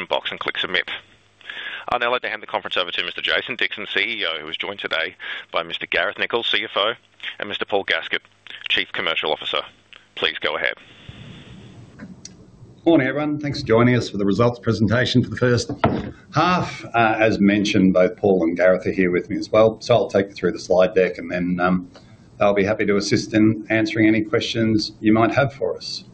Ask a question box and click submit. I'd now like to hand the conference over to Mr. Jason Dixon, CEO, who is joined today by Mr. Gareth Nicholls, CFO, and Mr. Paul Gaskett, Chief Commercial Officer. Please go ahead. Morning, everyone. Thanks for joining us for the results presentation for the first half. As mentioned, both Paul and Gareth are here with me as well. So I'll take you through the slide deck, and then they'll be happy to assist in answering any questions you might have for us.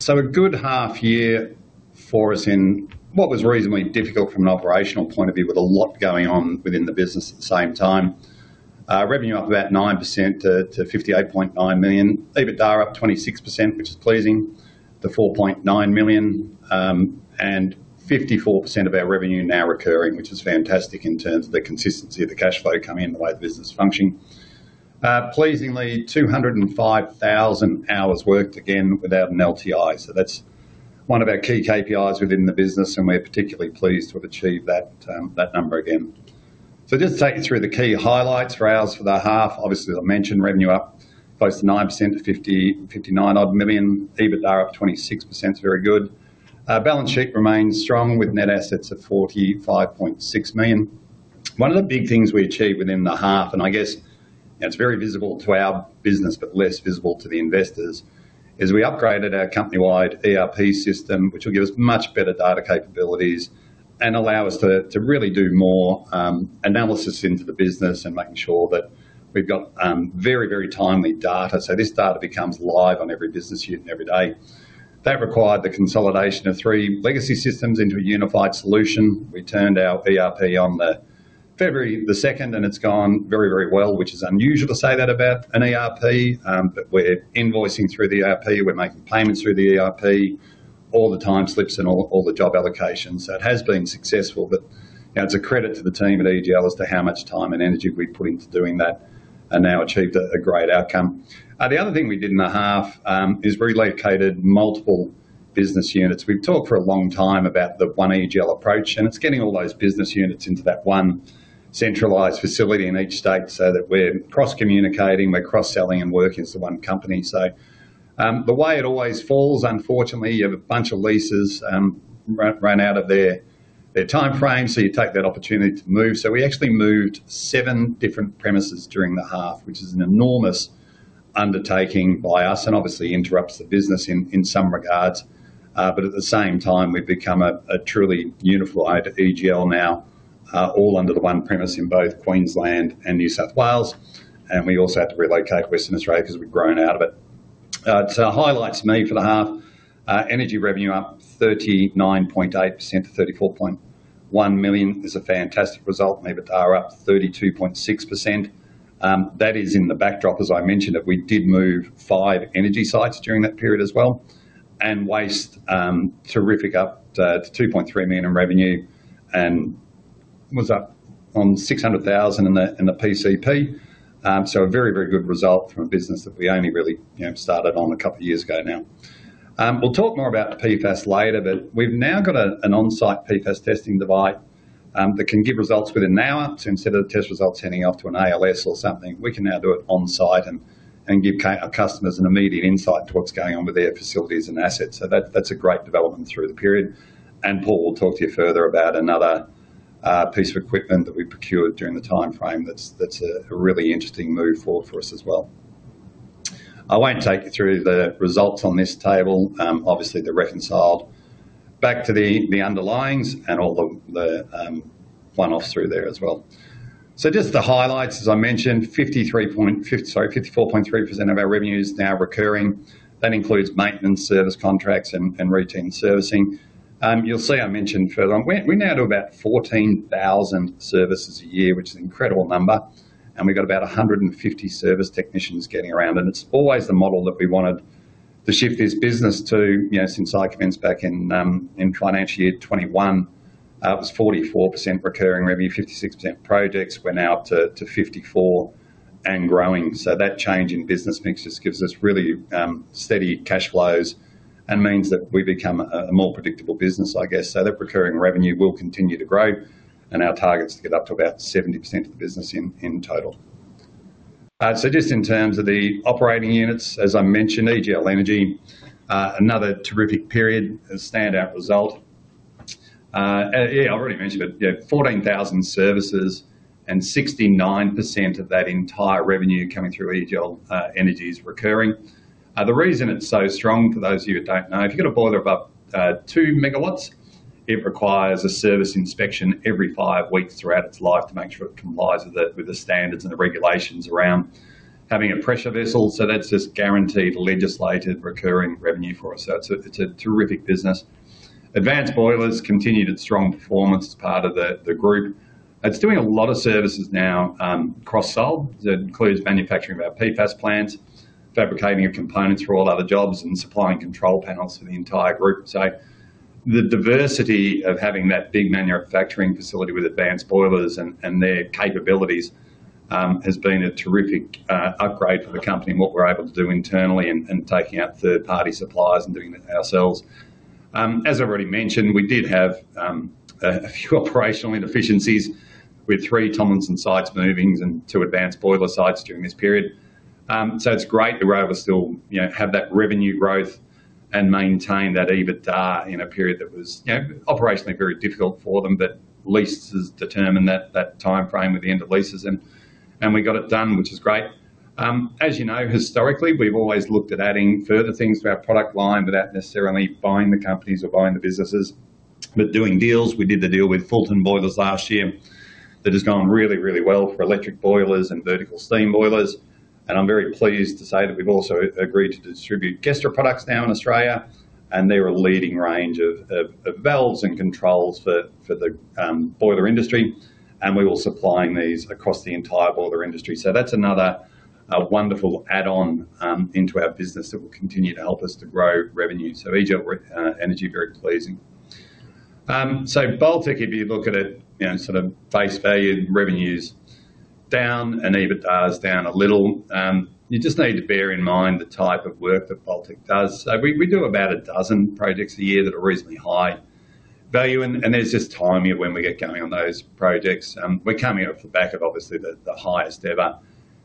So a good half year for us in what was reasonably difficult from an operational point of view, with a lot going on within the business at the same time. Revenue up about 9% to 58.9 million. EBITDA up 26%, which is pleasing, to 4.9 million, and 54% of our revenue now recurring, which is fantastic in terms of the consistency of the cash flow coming in and the way the business is functioning. Pleasingly, 205,000 hours worked again without an LTI. So that's one of our key KPIs within the business, and we're particularly pleased to have achieved that, that number again. So just to take you through the key highlights for us for the half. Obviously, as I mentioned, revenue up close to 9%, to 59 odd million. EBITDA up 26%, so very good. Our balance sheet remains strong, with net assets of 45.6 million. One of the big things we achieved within the half, and I guess it's very visible to our business, but less visible to the investors, is we upgraded our company-wide ERP system, which will give us much better data capabilities and allow us to, to really do more, analysis into the business and making sure that we've got, very, very timely data. So this data becomes live on every business unit and every day. That required the consolidation of three legacy systems into a unified solution. We turned our ERP on February 2nd, and it's gone very, very well, which is unusual to say that about an ERP, but we're invoicing through the ERP, we're making payments through the ERP, all the time slips and all, all the job allocations. So it has been successful, but, you know, it's a credit to the team at EGL as to how much time and energy we put into doing that and now achieved a great outcome. The other thing we did in the half is relocated multiple business units. We've talked for a long time about the one EGL approach, and it's getting all those business units into that one centralized facility in each state so that we're cross-communicating, we're cross-selling and working as the one company. So, the way it always falls, unfortunately, you have a bunch of leases, run out of their timeframe, so you take that opportunity to move. So we actually moved seven different premises during the half, which is an enormous undertaking by us and obviously interrupts the business in some regards. But at the same time, we've become a truly unified EGL now, all under the one premise in both Queensland and New South Wales, and we also had to relocate Western Australia because we've grown out of it. So highlights me for the half, Energy revenue up 39.8% to 34.1 million. It's a fantastic result. EBITDA up 32.6%. That is in the backdrop, as I mentioned, that we did move five energy sites during that period as well, and Waste, terrific, up to 2.3 million in revenue and was up on 600,000 in the PCP. So a very, very good result from a business that we only really, you know, started on a couple of years ago now. We'll talk more about the PFAS later, but we've now got an on-site PFAS testing device that can give results within an hour. So instead of the test results sending off to an ALS or something, we can now do it on-site and give our customers an immediate insight to what's going on with their facilities and assets. So that, that's a great development through the period. Paul will talk to you further about another piece of equipment that we procured during the timeframe that's a really interesting move forward for us as well. I won't take you through the results on this table. Obviously, they're reconciled back to the underlyings and all the one-offs through there as well. So just the highlights, as I mentioned, 54.3% of our revenue is now recurring. That includes maintenance, service contracts, and routine servicing. You'll see I mentioned further on, we're now doing about 14,000 services a year, which is an incredible number, and we've got about 150 service technicians getting around, and it's always the model that we wanted to shift this business to, you know, since I commenced back in financial year 2021. It was 44% recurring revenue, 56% projects went out to 54% and growing. So that change in business mix just gives us really steady cash flows and means that we become a more predictable business, I guess. So that recurring revenue will continue to grow, and our target's to get up to about 70% of the business in total. So just in terms of the operating units, as I mentioned, EGL Energy, another terrific period, a standout result. Yeah, I've already mentioned it, yeah, 14,000 services and 69% of that entire revenue coming through EGL Energy is recurring. The reason it's so strong, for those of you that don't know, if you've got a boiler above two megawatts, it requires a service inspection every five weeks throughout its life to make sure it complies with the standards and the regulations around having a pressure vessel. So that's just guaranteed, legislated, recurring revenue for us. So it's a terrific business. Advanced Boilers continued its strong performance as part of the group. It's doing a lot of services now, cross-sold. That includes manufacturing of our PFAS plants, fabricating of components for all other jobs, and supplying control panels for the entire group. So the diversity of having that big manufacturing facility with Advanced Boilers and their capabilities has been a terrific upgrade for the company and what we're able to do internally and taking out third-party suppliers and doing it ourselves. As I've already mentioned, we did have a few operational inefficiencies with three Tomlinson sites movings and two Advanced Boilers sites during this period. So it's great that we're able to still, you know, have that revenue growth and maintain that EBITDA in a period that was, you know, operationally very difficult for them, but leases determine that timeframe at the end of leases and we got it done, which is great. As you know, historically, we've always looked at adding further things to our product line without necessarily buying the companies or buying the businesses, but doing deals. We did the deal with Fulton Boilers last year. That has gone really, really well for electric boilers and vertical steam boilers, and I'm very pleased to say that we've also agreed to distribute GESTRA products now in Australia, and they're a leading range of of valves and controls for the boiler industry, and we will supplying these across the entire boiler industry. So that's another wonderful add-on into our business that will continue to help us to grow revenue. So EGL Energy, very pleasing. So Baltec, if you look at it, you know, sort of face value, revenue's down and EBITDA is down a little. You just need to bear in mind the type of work that Baltec does. So we do about 12 projects a year that are reasonably high value, and there's just timing of when we get going on those projects. We're coming off the back of, obviously, the highest-ever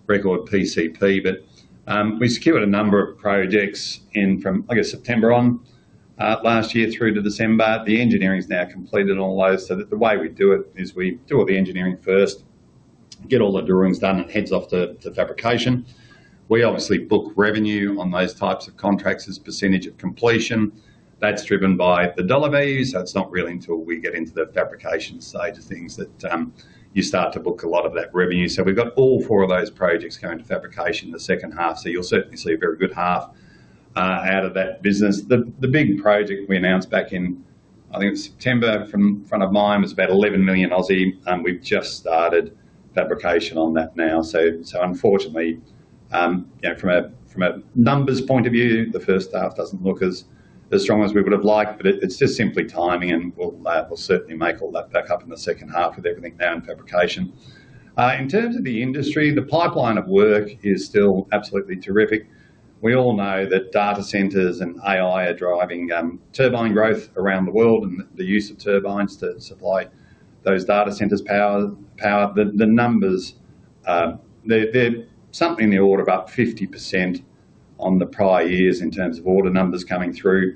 record PCP, but we secured a number of projects in from, I guess, September on last year through to December. The engineering's now completed on all those, so that the way we do it is we do all the engineering first, get all the drawings done, and heads off to fabrication. We obviously book revenue on those types of contracts as percentage of completion. That's driven by the dollar value, so it's not really until we get into the fabrication side of things that you start to book a lot of that revenue. So we've got all four of those projects going to fabrication in the second half, so you'll certainly see a very good half out of that business. The big project we announced back in, I think, September from front of mind, was about 11 million, and we've just started fabrication on that now. So unfortunately, you know, from a numbers point of view, the first half doesn't look as strong as we would have liked, but it's just simply timing, and we'll certainly make all that back up in the second half with everything now in fabrication. In terms of the industry, the pipeline of work is still absolutely terrific. We all know that data centers and AI are driving turbine growth around the world and the use of turbines to supply those data centers power. The numbers, they're something in the order of about 50% on the prior years in terms of order numbers coming through.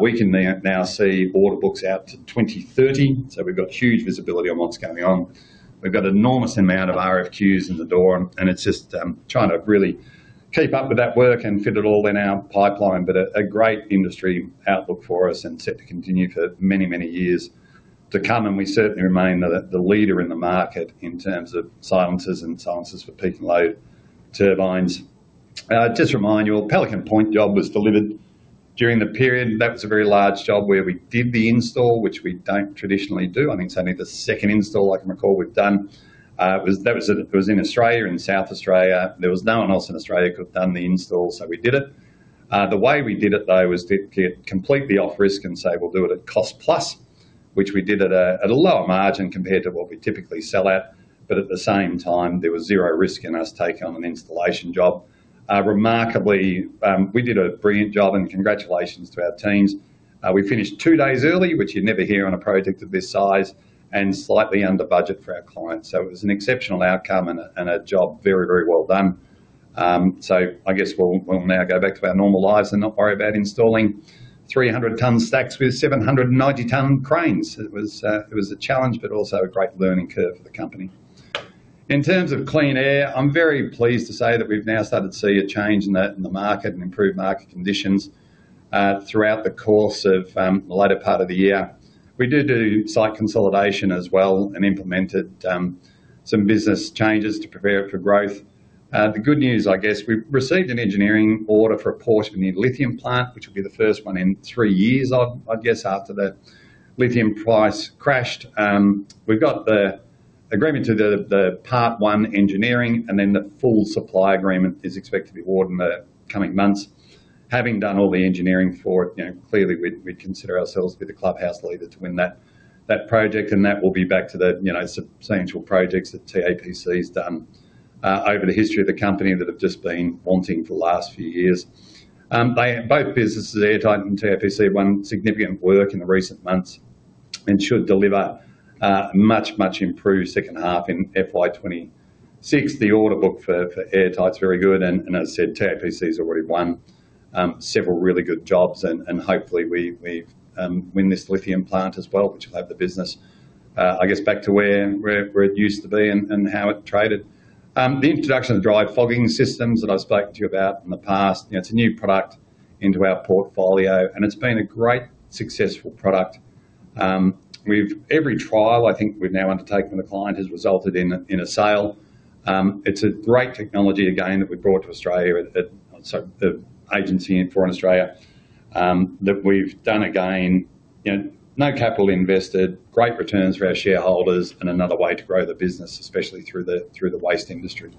We can now see order books out to 2030, so we've got huge visibility on what's going on. We've got an enormous amount of RFQs in the door, and it's just trying to really keep up with that work and fit it all in our pipeline. But a great industry outlook for us and set to continue for many, many years to come, and we certainly remain the leader in the market in terms of silencers and silencers for peak and load turbines. Just to remind you, Pelican Point job was delivered during the period. That was a very large job where we did the install, which we don't traditionally do. I think it's only the second install I can recall we've done. It was in Australia, in South Australia. There was no one else in Australia could have done the install, so we did it. The way we did it, though, was to get completely off risk and say, "We'll do it at cost plus," which we did at a lower margin compared to what we typically sell at, but at the same time, there was zero risk in us taking on an installation job. Remarkably, we did a brilliant job, and congratulations to our teams. We finished two days early, which you'd never hear on a project of this size, and slightly under budget for our clients. So it was an exceptional outcome and a job very, very well done. So I guess we'll now go back to our normal lives and not worry about installing 300-ton stacks with 790-ton cranes. It was a challenge, but also a great learning curve for the company. In terms of Clean Air, I'm very pleased to say that we've now started to see a change in the market and improved market conditions throughout the course of the latter part of the year. We did do site consolidation as well and implemented some business changes to prepare it for growth. The good news, I guess, we've received an engineering order for a port for new lithium plant, which will be the first one in three years, I guess, after the lithium price crashed. We've got the agreement to the part one engineering, and then the full supply agreement is expected to be awarded in the coming months. Having done all the engineering for it, you know, clearly, we'd consider ourselves to be the clubhouse leader to win that project, and that will be back to the, you know, substantial projects that TAPC has done over the history of the company that have just been wanting for the last few years. Both businesses, Airtight and TAPC, won significant work in the recent months and should deliver a much, much improved second half in FY 2026. The order book for Airtight is very good, and as I said, TAPC has already won several really good jobs, and hopefully we win this lithium plant as well, which will have the business, I guess, back to where it used to be and how it traded. The introduction of the dry fogging systems that I've spoken to you about in the past, you know, it's a new product into our portfolio, and it's been a great, successful product. Every trial, I think, we've now undertaken, the client has resulted in a sale. It's a great technology again that we've brought to Australia that. So the agency in, for Australia, that we've done again, you know, no capital invested, great returns for our shareholders, and another way to grow the business, especially through the, through the waste industry.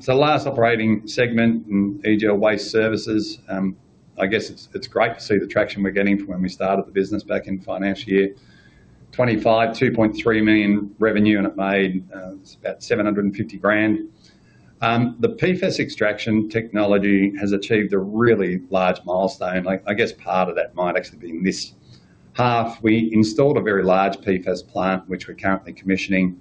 So last operating segment, EGL Waste Services, I guess it's, it's great to see the traction we're getting from when we started the business back in financial year 2025, 2.3 million revenue, and it made about 750,000. The PFAS extraction technology has achieved a really large milestone. I guess part of that might actually be in this half. We installed a very large PFAS plant, which we're currently commissioning,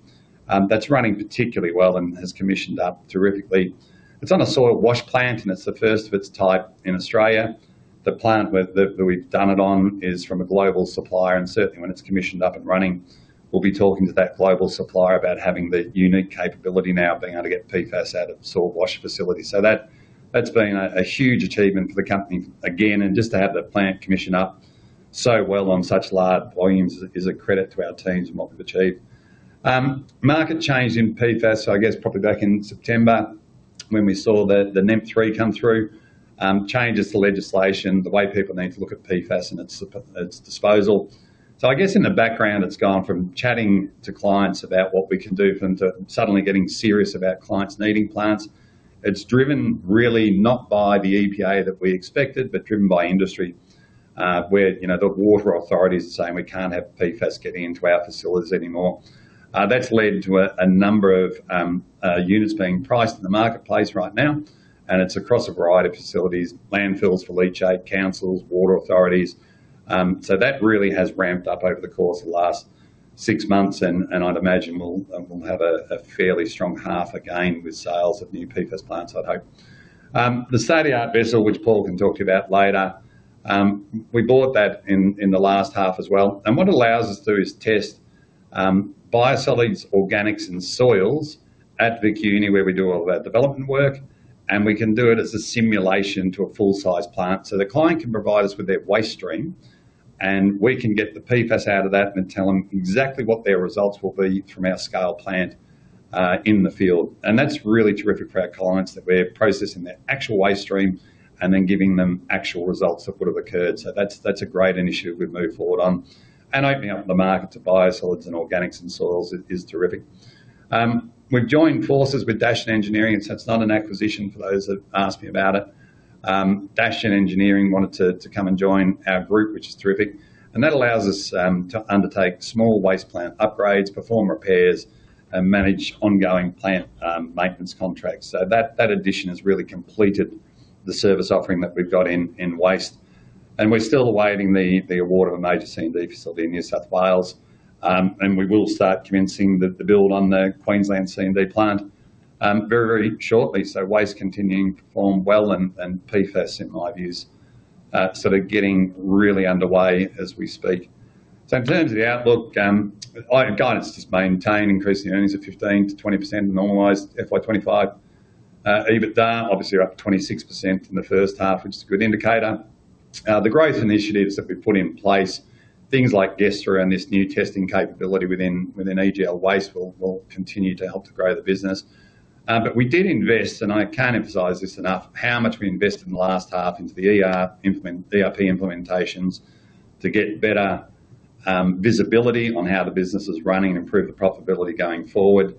that's running particularly well and has commissioned up terrifically. It's on a soil wash plant, and it's the first of its type in Australia. The plant where, that we've done it on is from a global supplier, and certainly when it's commissioned up and running, we'll be talking to that global supplier about having the unique capability now of being able to get PFAS out of soil wash facilities. So that, that's been a huge achievement for the company again, and just to have that plant commissioned up so well on such large volumes is a credit to our teams and what they've achieved. Market change in PFAS, I guess, probably back in September when we saw the NEMP 3 come through, changes to legislation, the way people need to look at PFAS and its disposal. So I guess in the background, it's gone from chatting to clients about what we can do for them to suddenly getting serious about clients needing plants. It's driven really not by the EPA that we expected, but driven by industry, where, you know, the water authority is saying, "We can't have PFAS getting into our facilities anymore." That's led to a number of units being priced in the marketplace right now, and it's across a variety of facilities: landfills for leachate, councils, water authorities. So that really has ramped up over the course of the last six months, and I'd imagine we'll have a fairly strong half again with sales of new PFAS plants, I'd hope. The state-of-the-art vessel, which Paul can talk to you about later, we bought that in the last half as well, and what it allows us to do is test biosolids, organics, and soils at the VU, where we do all of our development work, and we can do it as a simulation to a full-size plant. So the client can provide us with their waste stream, and we can get the PFAS out of that and tell them exactly what their results will be from our scale plant in the field. And that's really terrific for our clients, that we're processing their actual waste stream and then giving them actual results of what have occurred. So that's a great initiative we've moved forward on. And opening up the market to biosolids and organics and soils is terrific. We've joined forces with Dajon Engineering, so it's not an acquisition for those that asked me about it. Dajon Engineering wanted to come and join our group, which is terrific, and that allows us to undertake small waste plant upgrades, perform repairs, and manage ongoing plant maintenance contracts. So that addition has really completed the service offering that we've got in Waste, and we're still awaiting the award of a major C&D facility in New South Wales. And we will start commencing the build on the Queensland C&D plant very, very shortly. So Waste continuing to perform well, and PFAS, in my view, is sort of getting really underway as we speak. So in terms of the outlook, guidance is maintained, increasing earnings of 15%-20% normalized FY 2025. EBITDA, obviously up 26% from the first half, which is a good indicator. The growth initiatives that we've put in place, things like GESTRA and this new testing capability within EGL Waste will continue to help to grow the business. But we did invest, and I can't emphasize this enough, how much we invested in the last half into the ERP implementations to get better visibility on how the business is running and improve the profitability going forward.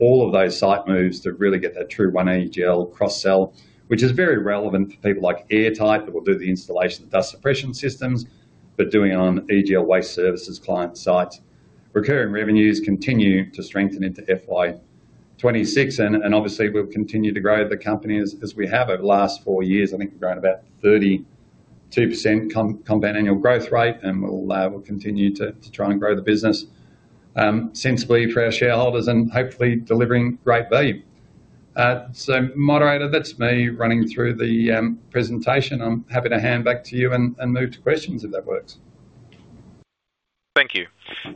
All of those site moves to really get that true one EGL cross-sell, which is very relevant for people like Airtight, that will do the installation of dust suppression systems, but doing it on EGL Waste Services client sites. Recurring revenues continue to strengthen into FY 2026, and obviously, we'll continue to grow the company as we have over the last four years. I think we've grown about 32% compound annual growth rate, and we'll continue to try and grow the business sensibly for our shareholders and hopefully delivering great value. So, moderator, that's me running through the presentation. I'm happy to hand back to you and move to questions, if that works. Thank you.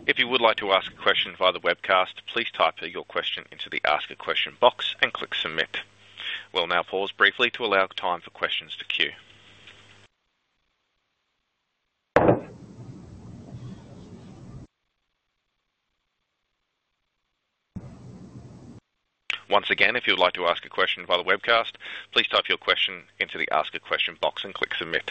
If you would like to ask a question via the webcast, please type your question into the ask a question box and click submit. We'll now pause briefly to allow time for questions to queue. Once again, if you'd like to ask a question via the webcast, please type your question into the ask a question box and click submit.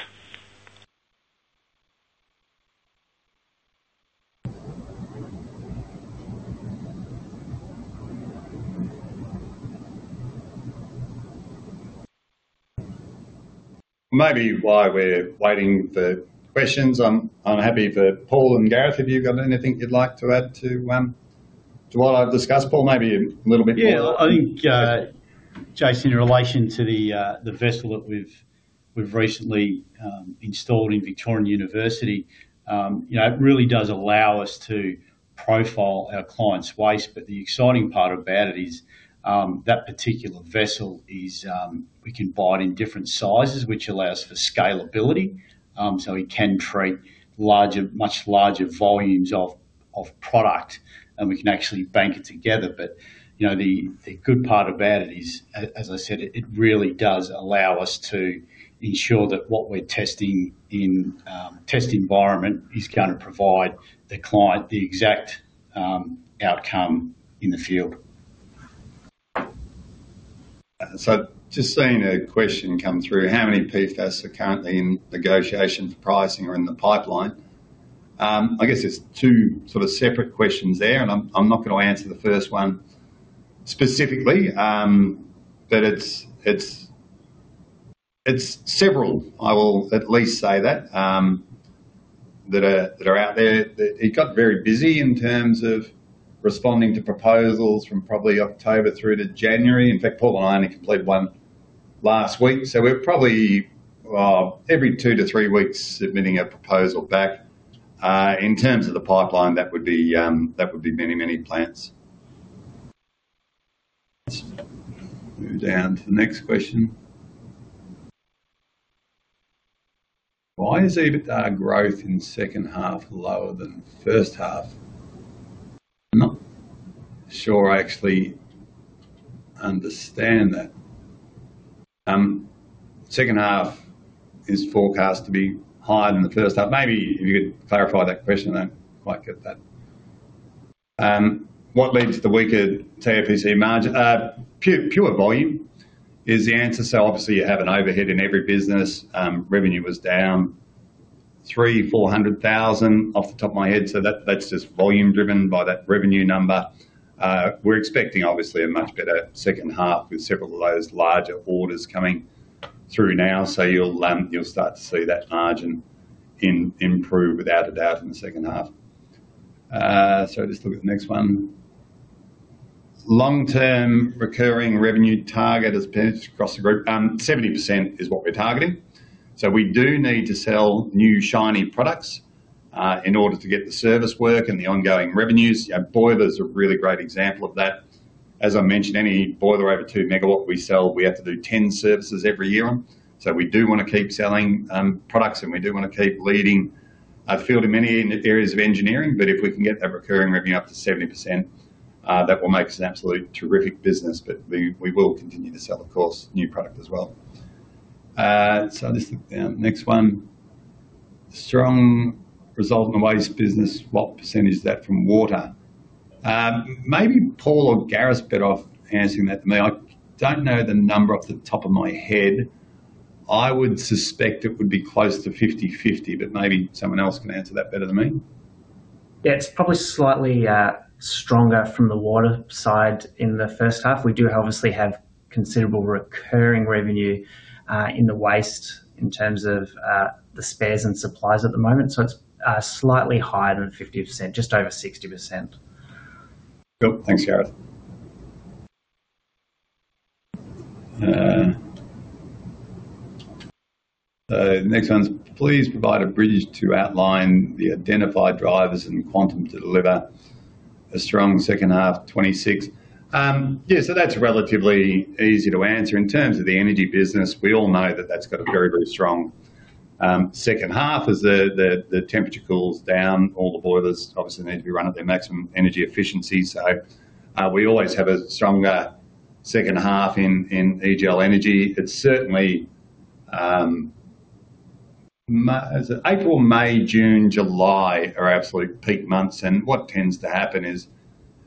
Maybe while we're waiting for questions, I'm happy for Paul and Gareth, have you got anything you'd like to add to, to what I've discussed? Paul, maybe a little bit more. Yeah, I think, Jason, in relation to the, the vessel that we've recently installed in Victoria University, you know, it really does allow us to profile our client's waste, but the exciting part about it is, that particular vessel is... We can buy it in different sizes, which allows for scalability. So we can treat larger, much larger volumes of product, and we can actually bank it together. But, you know, the good part about it is, as I said, it really does allow us to ensure that what we're testing in test environment is gonna provide the client the exact outcome in the field. So just seeing a question come through: How many PFAS are currently in negotiation for pricing or in the pipeline? I guess there's two sort of separate questions there, and I'm not going to answer the first one specifically. But it's. It's several, I will at least say that, that are out there. It got very busy in terms of responding to proposals from probably October through to January. In fact, Paul and I only completed one last week, so we're probably every two to three weeks submitting a proposal back. In terms of the pipeline, that would be many, many plants. Let's move down to the next question. Why is EBITDA growth in second half lower than first half? I'm not sure I actually understand that. Second half is forecast to be higher than the first half. Maybe if you could clarify that question, I might get that. What led to the weaker TAPC margin? Pure volume is the answer. So obviously, you have an overhead in every business. Revenue was down 300,000-400,000 off the top of my head, so that's just volume driven by that revenue number. We're expecting, obviously, a much better second half with several of those larger orders coming through now, so you'll, you'll start to see that margin improve, without a doubt, in the second half. So let's look at the next one. Long-term recurring revenue target has pinched across the group? 70% is what we're targeting. So we do need to sell new, shiny products, in order to get the service work and the ongoing revenues. Our boilers are a really great example of that. As I mentioned, any boiler over two megawatts we sell, we have to do ten services every year on, so we do wanna keep selling, products, and we do wanna keep leading a field in many areas of engineering. But if we can get that recurring revenue up to 70%, that will make us an absolutely terrific business, but we, we will continue to sell, of course, new product as well. So let's look down. Next one. Strong result in the Waste business, what percentage is that from water? Maybe Paul or Gareth's better off answering that than me. I don't know the number off the top of my head. I would suspect it would be close to 50/50, but maybe someone else can answer that better than me. Yeah, it's probably slightly stronger from the water side in the first half. We do obviously have considerable recurring revenue in the Waste in terms of the spares and supplies at the moment, so it's slightly higher than 50%, just over 60%. Cool. Thanks, Gareth. The next one's: Please provide a bridge to outline the identified drivers and quantum to deliver a strong second half 2026. Yeah, so that's relatively easy to answer. In terms of the Energy business, we all know that that's got a very, very strong second half as the temperature cools down. All the boilers obviously need to be run at their maximum energy efficiency, so we always have a stronger second half in EGL Energy. It's certainly April, May, June, July are our absolute peak months, and what tends to happen is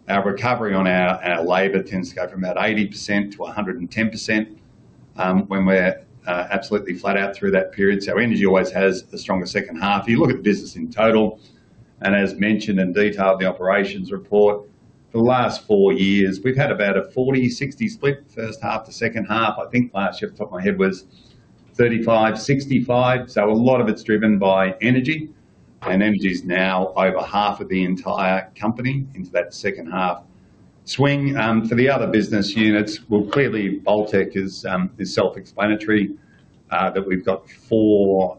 our recovery on our labor tends to go from about 80%-110% when we're absolutely flat out through that period. So Energy always has the stronger second half. You look at the business in total, and as mentioned in detail in the operations report, the last four years, we've had about a 40-60 split, first half to second half. I think last year, off the top of my head, was 35-65, so a lot of it's driven by Energy, and Energy is now over half of the entire company into that second half swing. For the other business units, well, clearly, Baltec is self-explanatory, that we've got four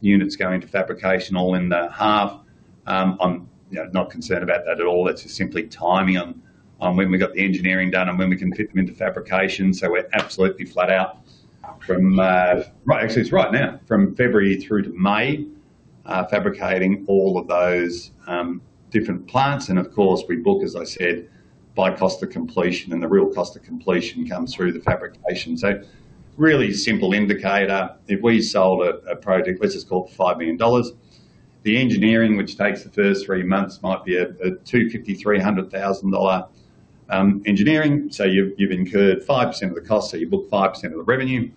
units going to fabrication all in the half. I'm, you know, not concerned about that at all. It's just simply timing on when we got the engineering done and when we can fit them into fabrication, so we're absolutely flat out from, actually, it's right now, from February through to May, fabricating all of those different plants. Of course, we book, as I said, by cost of completion, and the real cost of completion comes through the fabrication. So really simple indicator. If we sold a project, let's just call it 5 million dollars, the engineering, which takes the first three months, might be a 250,000-300,000 dollar engineering. So you've incurred 5% of the cost, so you book 5% of the revenue.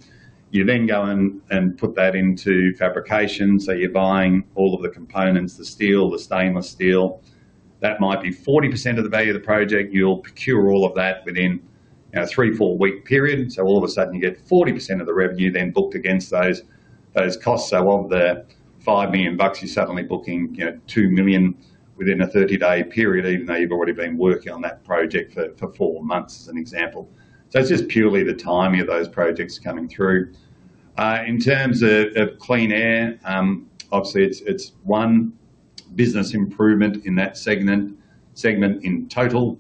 You then go in and put that into fabrication, so you're buying all of the components, the steel, the stainless steel. That might be 40% of the value of the project. You'll procure all of that within a three to four week period. So all of a sudden, you get 40% of the revenue then booked against those costs. So of the 5 million bucks, you're suddenly booking, you know, 2 million within a 30-day period, even though you've already been working on that project for four months, as an example. So it's just purely the timing of those projects coming through. In terms of Clean Air, obviously, it's one business improvement in that segment in total.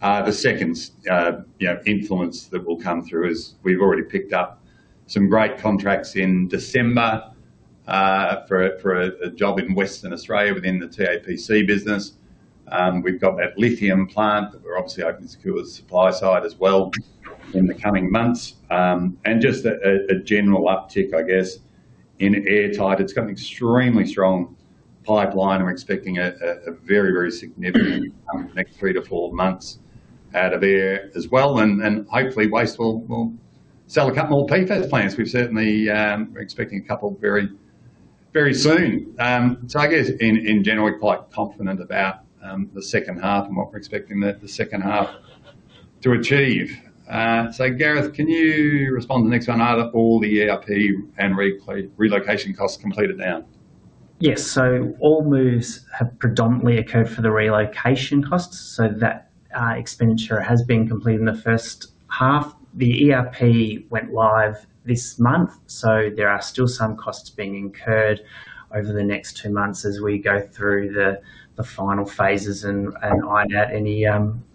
The second, you know, influence that will come through is we've already picked up some great contracts in December, for a job in Western Australia within the TAPC business. We've got that lithium plant, that we're obviously hoping to secure the supply side as well in the coming months. And just a general uptick, I guess, in Airtight. It's got an extremely strong pipeline. I'm expecting a very, very significant next three to four months out of air as well, and hopefully, Waste will sell a couple more PFAS plants. We're certainly, we're expecting a couple of very soon. So I guess in general, we're quite confident about the second half and what we're expecting the second half to achieve. So Gareth, can you respond to the next one? Are all the ERP and relocation costs completed now? Yes. So all moves have predominantly occurred for the relocation costs, so that expenditure has been completed in the first half. The ERP went live this month, so there are still some costs being incurred over the next two months as we go through the final phases and iron out any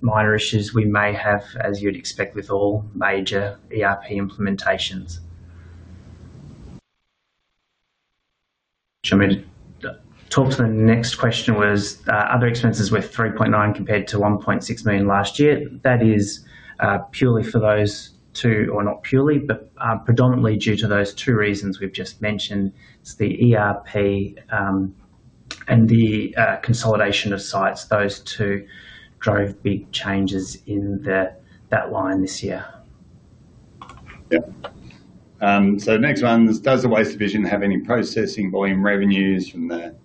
minor issues we may have, as you'd expect with all major ERP implementations. Do you want me to talk to the next question was other expenses were 3.9 million compared to 1.6 million last year. That is purely for those two, or not purely, but predominantly due to those two reasons we've just mentioned. It's the ERP and the consolidation of sites. Those two drove big changes in that line this year. Yeah. So the next one, does the Waste division have any processing volume revenues from the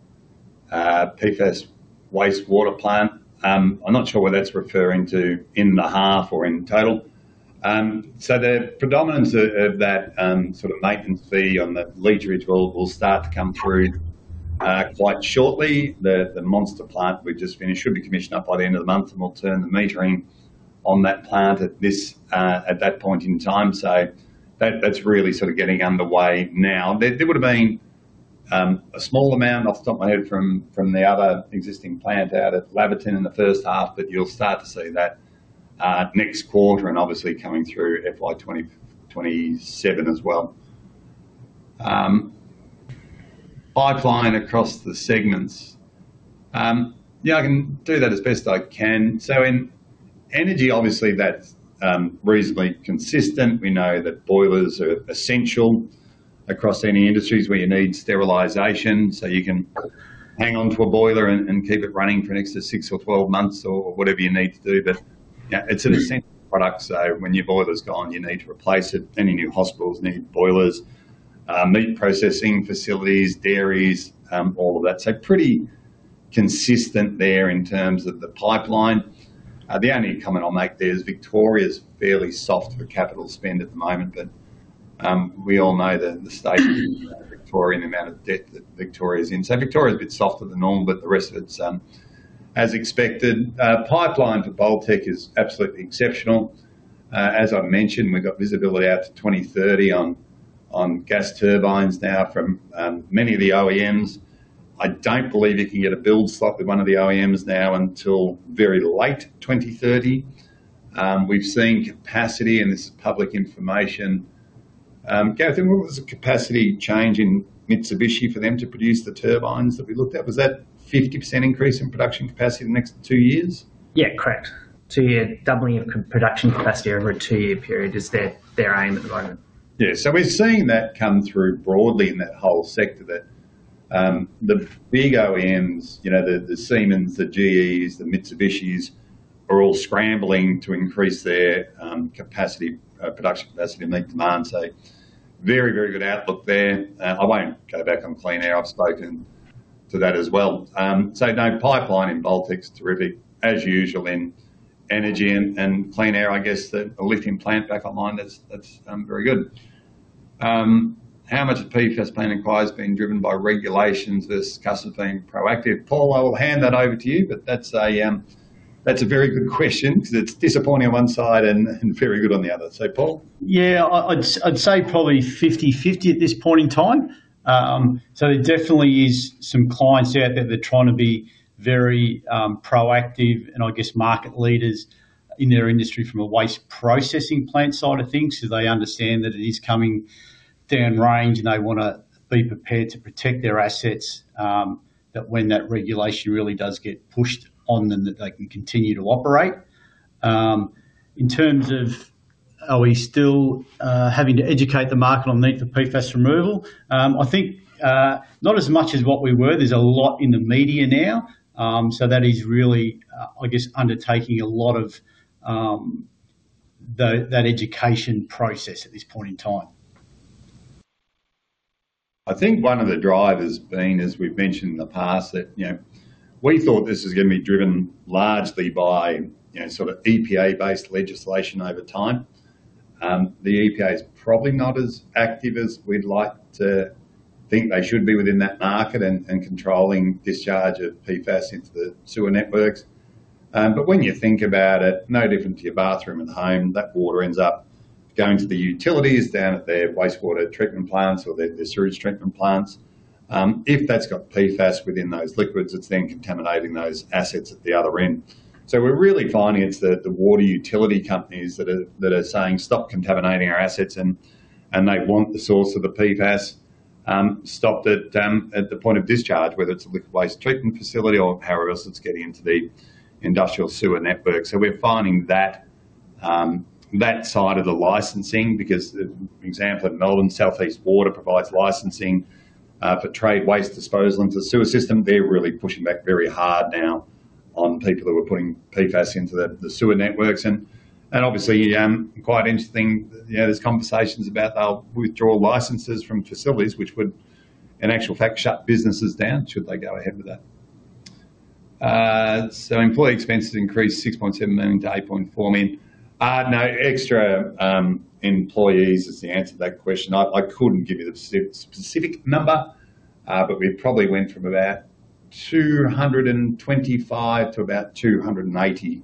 PFAS wastewater plant? I'm not sure whether that's referring to in the half or in total. So the predominance of that sort of maintenance fee on the lead retrieval will start to come through quite shortly. The monster plant we've just finished should be commissioned up by the end of the month, and we'll turn the metering on that plant at that point in time. So that's really sort of getting underway now. There would have been a small amount, off the top of my head, from the other existing plant out at Laverton in the first half, but you'll start to see that next quarter and obviously coming through FY 2027 as well. Pipeline across the segments. Yeah, I can do that as best I can. So in Energy, obviously, that's reasonably consistent. We know that boilers are essential across any industries where you need sterilization, so you can hang on to a boiler and keep it running for an extra six or 12 months or whatever you need to do. But, yeah, it's an essential product, so when your boiler's gone, you need to replace it. Any new hospitals need boilers, meat processing facilities, dairies, all of that. So pretty consistent there in terms of the pipeline. The only comment I'll make there is Victoria's fairly soft for capital spend at the moment, but, we all know the state Victoria and the amount of debt that Victoria is in. So Victoria is a bit softer than normal, but the rest of it's as expected. Pipeline for Baltec is absolutely exceptional. As I've mentioned, we've got visibility out to 2030 on gas turbines now from many of the OEMs. I don't believe you can get a build slot with one of the OEMs now until very late 2030. We've seen capacity, and this is public information. Gareth, what was the capacity change in Mitsubishi for them to produce the turbines that we looked at? Was that 50% increase in production capacity in the next two years? Yeah, correct. 2-year doubling of production capacity over a two-year period is their aim at the moment. Yeah, so we're seeing that come through broadly in that whole sector, that, the big OEMs, you know, the, the Siemens, the GEs, the Mitsubishis, are all scrambling to increase their, capacity, production capacity to meet demand. So very, very good outlook there. I won't go back on Clean Air. I've spoken to that as well. So no, pipeline in Baltec is terrific, as usual, in Energy and Clean Air. I guess the lithium plant back online, that's very good. How much of PFAS planning buyers being driven by regulations versus customers being proactive? Paul, I will hand that over to you, but that's a very good question because it's disappointing on one side and very good on the other. So, Paul? Yeah, I'd, I'd say probably 50/50 at this point in time. So there definitely is some clients out there that are trying to be very, proactive and I guess market leaders in their industry from a waste processing plant side of things. So they understand that it is coming downrange, and they wanna be prepared to protect their assets, that when that regulation really does get pushed on them, that they can continue to operate. In terms of are we still, having to educate the market on the need for PFAS removal? I think, not as much as what we were. There's a lot in the media now, so that is really, I guess, undertaking a lot of that education process at this point in time. I think one of the drivers being, as we've mentioned in the past, that, you know, we thought this was gonna be driven largely by, you know, sort of EPA-based legislation over time. The EPA is probably not as active as we'd like to think they should be within that market and controlling discharge of PFAS into the sewer networks. But when you think about it, no different to your bathroom at home, that water ends up going to the utilities down at their wastewater treatment plants or their sewage treatment plants. If that's got PFAS within those liquids, it's then contaminating those assets at the other end. So we're really finding it's the water utility companies that are saying, "Stop contaminating our assets," and they want the source of the PFAS stopped at the point of discharge, whether it's a liquid waste treatment facility or however else it's getting into the industrial sewer network. So we're finding that side of the licensing, because the example of Melbourne South East Water provides licensing for trade waste disposal into the sewer system. They're really pushing back very hard now on people who are putting PFAS into the sewer networks. And obviously, quite interesting, you know, there's conversations about they'll withdraw licenses from facilities, which would, in actual fact, shut businesses down should they go ahead with that. So employee expenses increased 6.7 million-8.4 million. No extra employees is the answer to that question. I couldn't give you the specific number, but we probably went from about 225 to about 280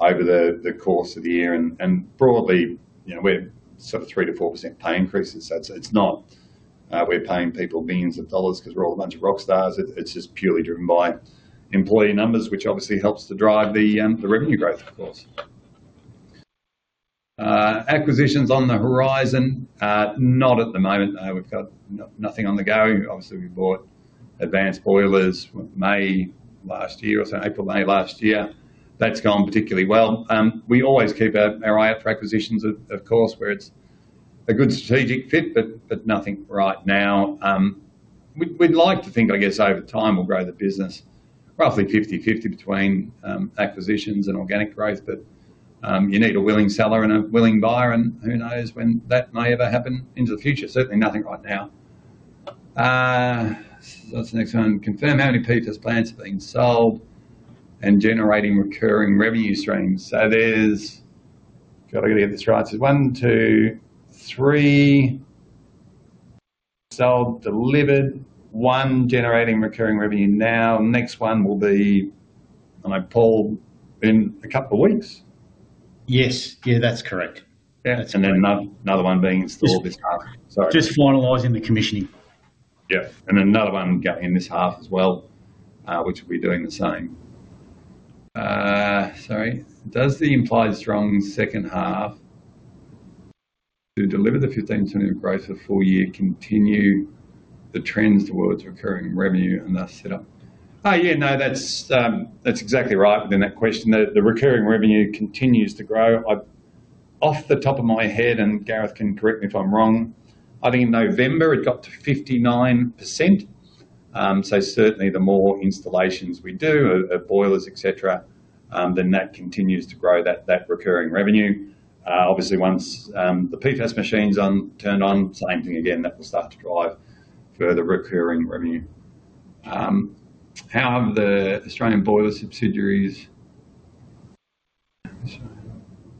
over the course of the year, and broadly, you know, we're sort of 3%-4% pay increases. So it's not we're paying people millions dollars 'cause we're all a bunch of rock stars. It's just purely driven by employee numbers, which obviously helps to drive the revenue growth, of course. Acquisitions on the horizon? Not at the moment. No, we've got nothing on the go. Obviously, we bought Advanced Boilers, what, May last year or so, April, May last year. That's gone particularly well. We always keep our eye out for acquisitions, of course, where it's a good strategic fit, but nothing right now. We'd like to think, I guess, over time, we'll grow the business roughly 50/50 between acquisitions and organic growth, but you need a willing seller and a willing buyer, and who knows when that may ever happen into the future? Certainly nothing right now. What's the next one? Confirm how many PFAS plants are being sold and generating recurring revenue streams. So there's... God, I've got to get this right. So one, two, three sold, delivered, one generating recurring revenue now. Next one will be, and I, Paul, in a couple of weeks? Yes. Yeah, that's correct. Yeah, that's correct. And then another, another one being installed this half. Sorry. Just finalizing the commissioning. Yeah, and another one going in this half as well, which will be doing the same. Sorry. Does the implied strong second half to deliver the 15% growth for the full year continue the trends towards recurring revenue and thus set up? Yeah, no, that's, that's exactly right within that question. The recurring revenue continues to grow. Off the top of my head, and Gareth can correct me if I'm wrong, I think November, it got to 59%. So certainly the more installations we do, of boilers, et cetera, then that continues to grow that recurring revenue. Obviously, once the PFAS machine's on, turned on, same thing again, that will start to drive further recurring revenue. How have the Australian boiler subsidiaries...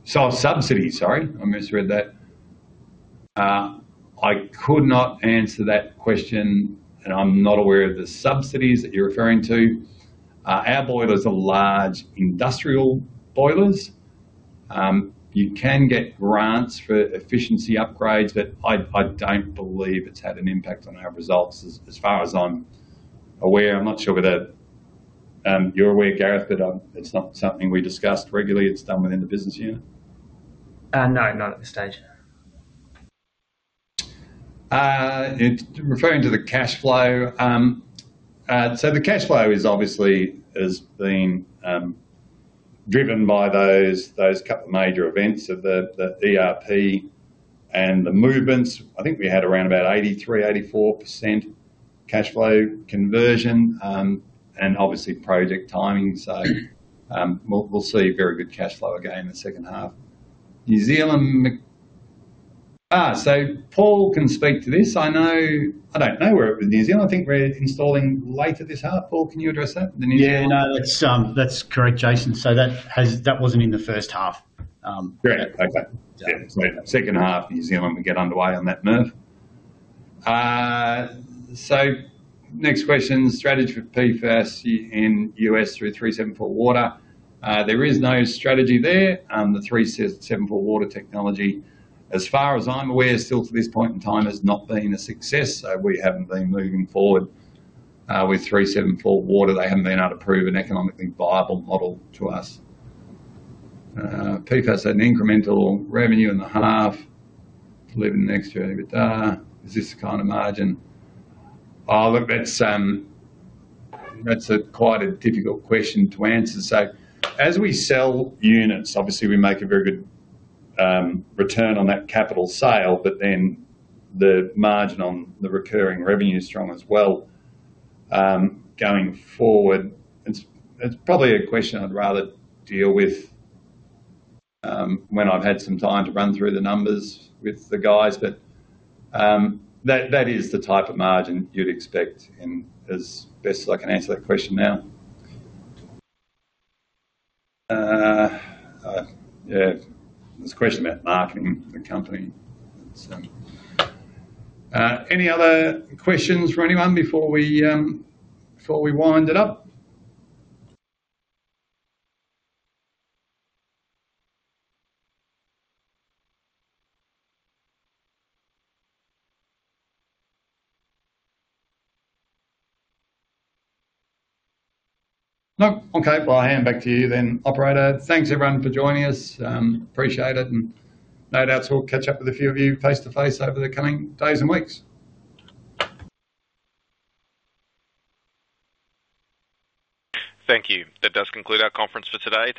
So subsidies, sorry, I misread that. I could not answer that question, and I'm not aware of the subsidies that you're referring to. Our boilers are large industrial boilers. You can get grants for efficiency upgrades, but I don't believe it's had an impact on our results as far as I'm aware. I'm not sure whether you're aware, Gareth, but it's not something we discussed regularly. It's done within the business unit? No, not at this stage. Referring to the cash flow, so the cash flow is obviously, has been, driven by those, those couple of major events of the, the ERP and the movements. I think we had around about 83%-84% cash flow conversion, and obviously project timing. So, we'll see very good cash flow again in the second half. New Zealand... so Paul can speak to this. I don't know where we're with New Zealand. I think we're installing later this half. Paul, can you address that, the New Zealand? Yeah. No, that's, that's correct, Jason. So that has- that wasn't in the first half. Great. Okay. Yeah. Second half, New Zealand, we get underway on that nerve. So next question: strategy for PFAS in U.S. through 374Water. There is no strategy there. The 374Water technology, as far as I'm aware, still to this point in time, has not been a success, so we haven't been moving forward with 374Water. They haven't been able to prove an economically viable model to us. PFAS had an incremental revenue in the half delivered next year, but is this the kind of margin? Oh, look, that's quite a difficult question to answer. So as we sell units, obviously, we make a very good return on that capital sale, but then the margin on the recurring revenue is strong as well. Going forward, it's probably a question I'd rather deal with when I've had some time to run through the numbers with the guys, but that is the type of margin you'd expect, and as best as I can answer that question now. Yeah, there's a question about marketing the company. So, any other questions from anyone before we wind it up? No? Okay, well, I hand back to you then, operator. Thanks, everyone, for joining us. Appreciate it, and no doubts we'll catch up with a few of you face-to-face over the coming days and weeks. Thank you. That does conclude our conference for today.